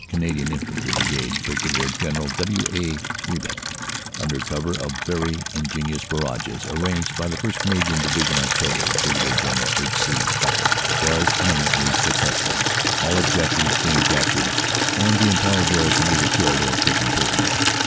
Cana dian Infantry Brigade (Brig. General W. A. Griesbach), under cover of very ingenious barrages arranged by the C. R. A., 1st. Canadian Division (Brig. General H. C. Thacker), was eminently successful, all objectives being captured and the entire garrison either killed or taken prisoner.